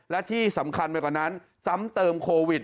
และที่สำคัญไปกว่านั้นซ้ำเติมโควิด